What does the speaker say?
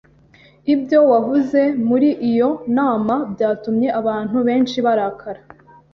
Ibyo wavuze muri iyo nama byatumye abantu benshi barakara.